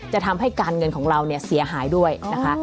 จะทำให้การเงินของเราเนี่ยเสียหายด้วยนะคะ